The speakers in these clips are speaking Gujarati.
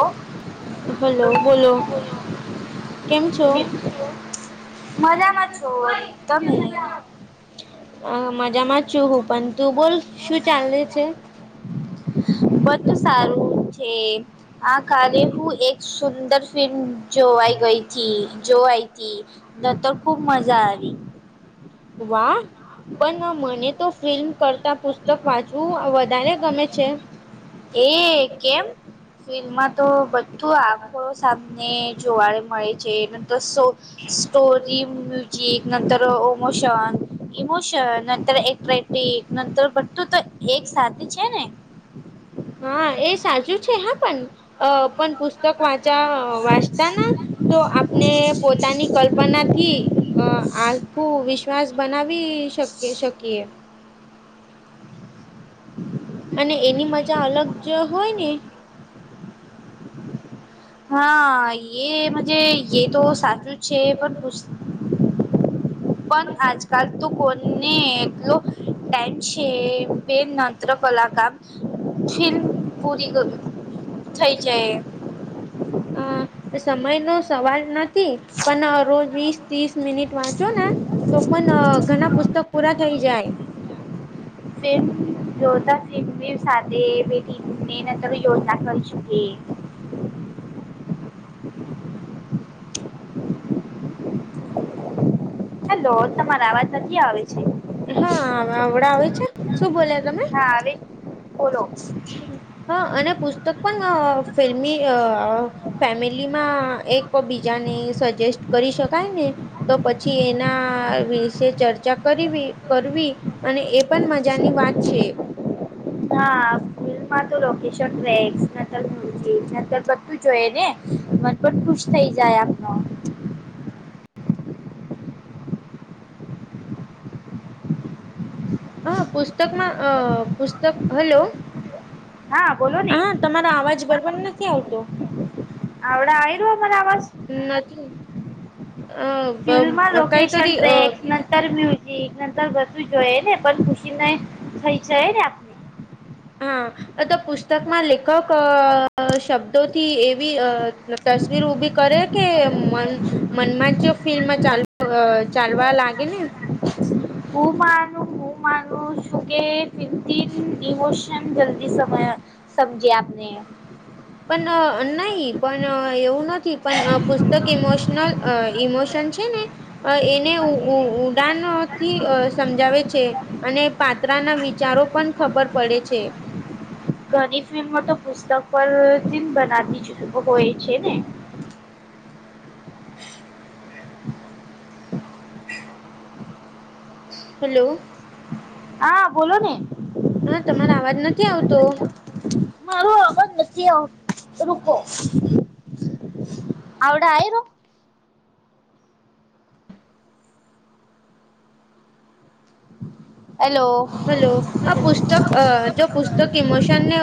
ઓ હલો બોલો. કેમ છો મજામાં છો તમને? હ મજામાં છું હું પણ તું બોલ શું ચાલે છે? બધુ સારું છે આ કારે હું એક સુંદર ફિલ્મ જોવાઈ ગઈ હતીથી જોવાઈ. ન તો ખૂબ મજા આવી. વાહ. પણ હા મને તો ફિલ્મ કરતાં પુસ્તક વાંચવું વધારે ગમે છે. એ કેમ ફિલ્મમાં તો બધું આખું સામને જોવાળે મળે છે નંતર સો સ્ટોરી, મ્યુજિક, નંતર મોશન, ઇમોશન નતર એક એક નંતર બધું તો એક સાથે છે ને, હા એ સાચું છે હા પણ અ પણ પુસ્તક વાંચા વાંચતાના, તો આપને પોતાની કલ્પના થી અ આખું વિશ્વાસ, બનાવી શકે શકીએ, [unintelligible] અને એની મજા અલગ જ હોય ને, હા એ મજે એ તો સાચું જ છે પણ પુસ્ પણ આજકાલ તું કોણ ને એટલો ટાઇમ છે [unintelligible] નત્ર કલા કામ ફીલ્મ પૂરી થઈ જાય. અ સમયનો સવાલ નથી પણ રોજ વીસ, ત્રીસ મિનિટ વાંચો ને તો પણ ઘણાં પુસ્તક પૂરાં થઈ જાય. સેમ [unintelligible] સાથે [unintelligible] ન યોજના કરી શકે. હલો તમારા અવાજ નથી આવે છે. હા આવડાં આવે છે શું બોલ્યા તમે, હા આવે બોલો. હા અને પુસ્તક પણ ફિલ્મી અ, ફેમિલી માં એક બીજાને સજેસ્ટ કરી શકાય ને, તો પછી એના વિશે ચર્ચા કરવી કરવી. અને એ પણ મજાની વાત છે. હા ફિલ્મમાં તો લોકેશન રેક્સ ન [unintelligible] મ ન બધું જ, જોઈ ને મન પણ ખુશ થઈ જાય આપનો. હ પુસ્તકમાં અ પુસ્તક હલો, હા બોલો, ને હા તમારો અવાજ બરોબર નથી આવતો. આવડે આવે હો મને આવાજ, હ નથીત ફિલ્મમાં કઈ લોકેશન તરી અ ટ્રેક નર્ય ઠીક નંતર બસું જોઈએ ને પણ ખુશી ને થઈ જાય ને હા તો પુસ્તકમાં લેખક શબ્દોથી એવી તસવીર ઊભી કરે કે મન મનમાં જો ફિલ્મ ચાલ ચાલવા લાગે ને હું માનું હું માનું શું કેોન જદી સમ સબ્જી આપને પણ નહી પણ એવું નથી પણ પુસ્તક ઈમોશનલ ઇમોશન છે. [inaudible] અ એને ઉડાન થી સમજાવે છે. અને પાત્રાના વિચારો પણ ખબર પડે છે. ઘણી ફિલ્મો તો પુસ્તક પરથી બનાતી જ હોય છે ને હલો. હા બોલો ને હા તમારો અવાજ નથી આવતો મારો આવાજ નથી આવ રૂકો આવવડ આ રું હેલો હલો આ પુસ્તક જો પુસ્તક ઇમોશન ને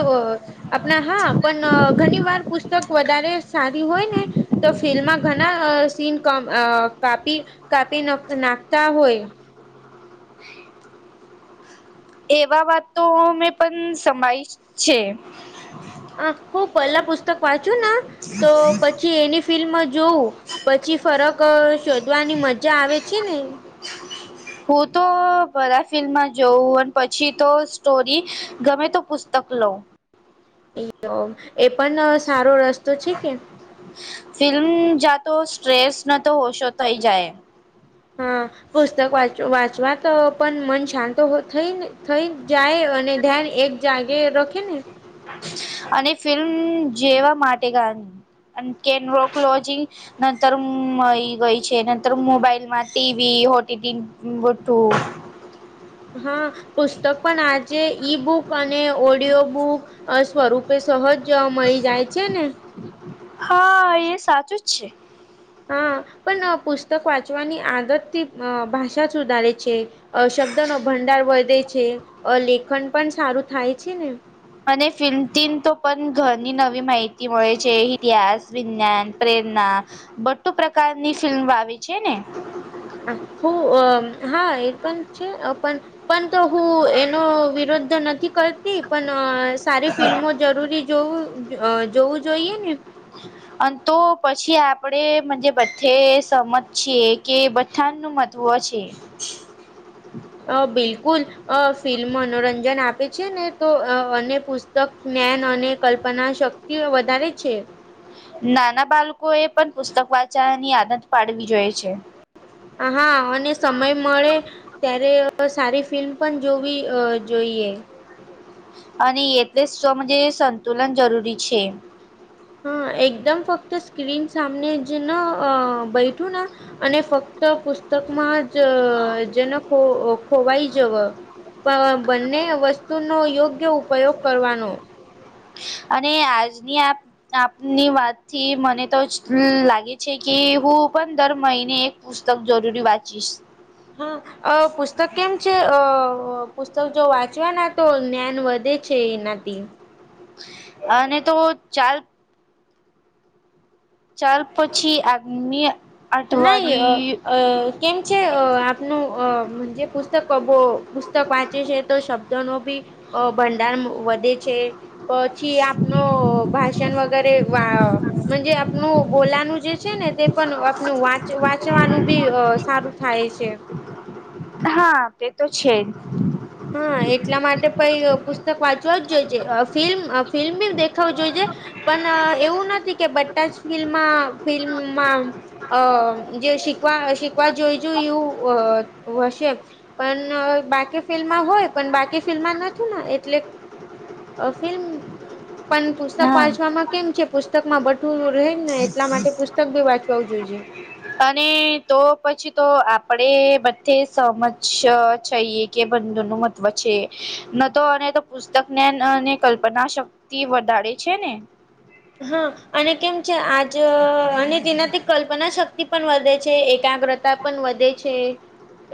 આપણા હા પણ ઘણી વાર પુસ્તક વધારે સારી હોય ને તો ફિલ્મમાં ઘણા સીન કાપી કાપી નાખતા હોય એવા વાત તો મેં પણ સમાયશ છે. આ હું પહેલા પુસ્તક વાંચુ ને તો પછી એની ફિલ્મમાં જોઉ પછી ફરક શોધવાની મજા આવે છે ને હું તો બધા ફિલ્મમાં જોઉં પછી તો સ્ટોરી ગમે તો પુસ્તક લવ તો એ પણ સારો રસ્તો છે કે ફિલ્મ જાતો સ્ટ્રેસ ન તો હોશો થઈ જાય હા પુસ્તક વાચ વાંચવા તો પણ મન શાંત થઈને થઈ જાય અને ધ્યાન એક જાગે રખે ને અને ફિલ્મ જેવા માટે ગ અને કેન્રોકલોજી નંતર હ ગઈ છે નંતર મોબાઈલ માં ટીવી હોટી બું હા પુસ્તક પણ આજે ઈ બુક અને ઓડિયો બુક સ્વરૂપ સહજ જોવા મળી જાય છે ને હા એ સાચું જ છે. હા પણ પુસ્તક વાંચવાની આદતથી ભાષા સુધારે છે. શબ્દોનો ભંડાર વધે છે લેખન પણ સારું થાય છે ને અને ફિલ્મન તો પણ ઘની નવી માહિતી મળે છે ઇતિહાસ વિજ્ઞાન પ્રેરણા બધું પ્રકારની ફિલ્મ આવી છે ને હ હા એ પણ છે પણ પણ તો હું એનો વિરોધ નથી કરતી પણ સારી ફિલ્મો જરૂરી જોવું જોવું જોઈએ ને [inaudible] અને તો પછી આપણે મ બધે સમજ છીએ કે બધાનું મહત્ત્વ છે. [inaudible] અ બિલકુલ અ ફિલ્મ મનોરંજન આપે છે ને તો અને પ તક જ્ઞાન અને કલ્પના શક્તિઓ વધારે છે. નાના બાળકો એ પણ પુસ્તક વાંચવાની આદત પાડવી જોઈ છે હા અને સમય મળે ત્યારે સારી ફિલ્મ પણ જોવી જોઈએ અને એટલે સ્વ સંતુલન જરૂરી છે હા એકદમ ફક્ત સ્ક્રીન સામને જે ન બેઠું ના અને ફક્ત પુસ્તકમાં જ જેનેકો ખોવાઈ જવ પણ બંને વસ્તુનોો યોગ્ય ઉપયોગ કરવાનો અને આજની આપ આપની વાતથી મને તો જ લાગે છે કે હું પણ દર મહિને એક પુસ્તક જરૂરી વાંચીશ હા અ પુસ્તક કેમ છે અ પુસ્તક જો વાંચવાના તો જ્ઞાન વધે છે એનાથી અને તો ચાલ ચાલ પછી આગ્નિ નાહી અ અ કેમ છે આપનું પુસ્તક કો પુસ્તક વા વચે છે તો શબ્દો ન ભી ભંડાર વધે છે પછી આપનું ભાષણ વગેરે વા જ આપનું બોલાનું જે છે ને તે પણ નું વાચ વાંચવાનું બી સારું થાય છે હા તે તો છે જ હા એટલા માટે પ પત પાછવા જ જો છે ફિલ્મ ફિલ્મ બ દખાવ જોઈ છે પણ એવું નથી કે બટા જ ફિલ્મમાં ફિલ્મમાં અ જે શીખવા શીખવા જોઈ જોઈ એવું હશે પણ બાકી ફિલ્મ માં હોય પણ બાકી ફિલ્મમાં નથી એટલે ફિલ્મ પણ પુસ્તક હા વાંચવામાં કેમ છે પુસ્તક માં બધુ રહે ને એટલા માટે પુસ્તક બી વાંચવું જોઈએ. અને તો પછી તો આપડે બધે સમજ છઈએ. કે બંધુ ન મહત્વ છે ન તો અને તો પુસ્તક જ્ઞાન અને કલ્પના શક્તિ વધારે છે ને હા અને કેમ છે આજ અને તેનાથી કલ્પના શક્તિ પણ વધે છે એકાગ્રતા પણ વધે છે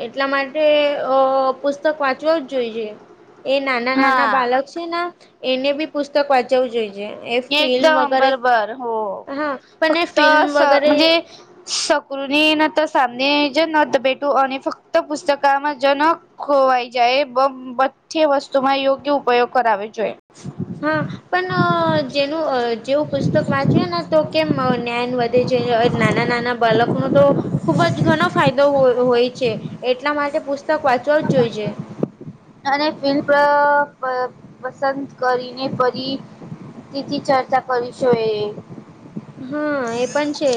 એટલા માટે અ પુસ્તક વાંચવા જ જોઈએ. એ નાના નાના હા બાળક છે ને એને બી પુસ્તક વાંચવું જોઈએ. ફિલ્મ એકદમ‌ વગેરે બરબર હો હા પણ એ ફક્ત ફિલ્મ વગેરે [inaudible] [inaudible] અને ફક્ત પુસ્તકમાં જનક ખોવાઈ જાય બધી વસ્તુ માં યોગ્ય ઉપયોગ કરાવે જોઈ હા પણ જેનું જેવું પુસ્તક વાંચ્યું ને તો કેમ જ્ઞાન વધે છે નાના નાના બાળકનું તો ખુબ જ ઘણો ફાયદો હોય છે એટલા માટે પુસ્તક વાંચવો જ જોઈએ. અને [inaudible] પસંદ કરીને ફરી તેથી ચર્ચા કરીશું એ હા એ પણ છે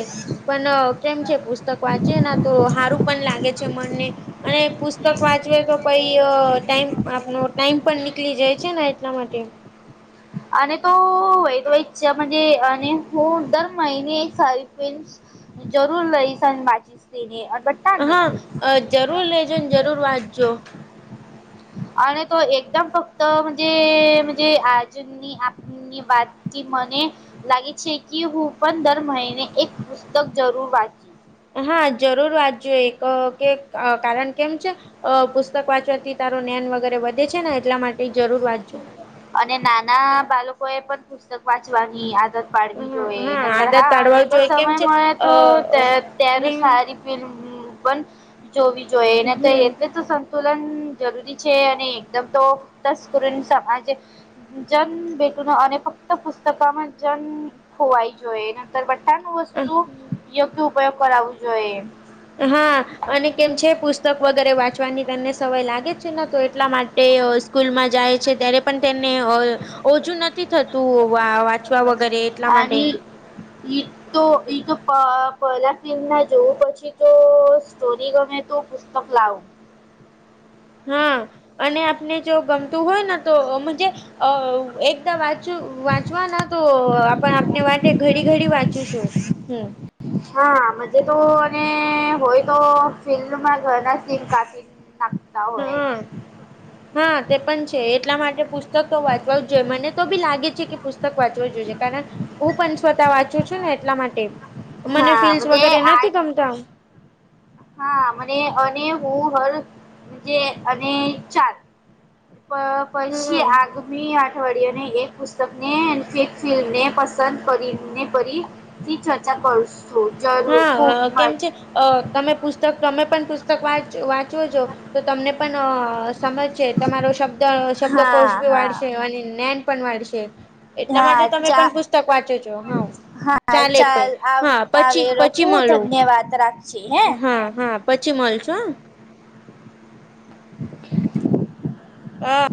પણ કેમ છે પુસ્તક વાંચે ના તો હારું પણ લાગે છે મનને અને પુસ્તક વાંચવે તો કઈ ટાઈમ આપનો ટાઈમ પણ નીકળી જાય છે ને એટલા માટે અને તો [inaudible] અને હું દર મહિને [inaudible] જરૂર [unintelligible] નીકળીશ હા જરૂર લેજોને જરૂર વાંચજો. અને તો એકદમ ફક્ત જ [inaudible] ની વાતથી મને લાગે છે કે હું પણ દર મહિને એક પુસ્તક જરૂર વાંચું. હા જરૂર વાંચજો એક કે કારણ કેમ છે? અ પુસ્તક વાંચવાથી તારું જ્ઞાન વગેરે વધે છે ને એટલા માટે જરૂર વાંચજો. અને નાના બાળકો એ પણ પુસ્તક વાંચવાની આદત પાડવી હા જોઈએ નકર આદત હા અને પાડવા તો જોઈએ કેમ સમય છે મળે અ તો ત્યારે અને સારી પણ જોવી જોઈએ એને તો હમ એટલે સંતુલન જરૂરી છે અને એકદમ તો તસ્કુરીન સમાજે જન બેેઠું ન અને ફક્ત પુસ્તકમાં જન ખોવાય જોઈએને [inaudible] વસ્તુ યોગ્ય ઉપયોગ કરાવવું જોઈએ. હા અને કેમ છે પુસ્તક વગેરે વાંચવાની તમને સમય લાગે છે ને તો એટલા માટ તે સ્કૂલમાં જાય છે ત્યારે પણ તેમને ઓછું નથી થતું વાંચવા વગરે એટલા માટે અને [inaudible] તો એ તો પહેલાથી ને જોવું પછી તો સ્ટોરી ગમે તું પુસ્તક લાવવુ. હા અને આપને જો ગમતું હોય ને [inaudible] વાંચવાના તો આપણે આપને વાંટે ઘડી ઘડી વાંચીશું હમ હા મજે તો અને હોય તો ફિલ્મમાં ઘરના સિન કાફી નાખતા હોય હા હા તે પણ છે એટલા માટે પુસ્તક તો વાંચવા જ જોઈએ મને તો બી લાગે છે કે પુસ્તક વાંચવું જ જોઈએ કારણ હું પણ સ્વતા વાંચું છું ને એટલા માટે મને હા ફીલ્સ મજે વગેરે આ નથી ગમતા હા મને અને હું હલ જે અને ચાર પછી હમ આગ મી અઠવાડિયાને એક પુસ્તકને ફેક ફિલ્મ ને પસંદ કરી ને પરી થી ચર્ચા કરશુ જરૂર ખૂબ મ અ તમે પુસ્તક તમે પણ પુસ્તક વાંચવો છો તો તમને પણ સમજ કે તમારો હા શબ્દકોશ ભી હા વળશે અને જ્ઞાન પણ વળશે એટલા હા માટે તમે ચા પણ પુસ્તક વાંચો છો હા હા ચાલે પહી ચાલ આવ હા પછી પછી [unintelligible] મળું ધન્યવાદ રાખીએ હે હા હા પછી મળશું [inaudible] અ